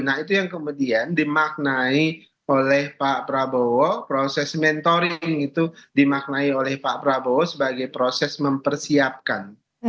nah itu yang kemudian dimaknai oleh pak prabowo proses mentoring itu dimaknai oleh pak prabowo sebagai proses mempersiapkan